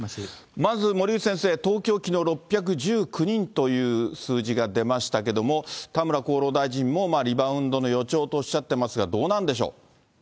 まず森内先生、東京きのう６１９人という数字が出ましたけれども、田村厚労大臣も、リバウンドの予兆とおっしゃってますが、どうなんでしょう。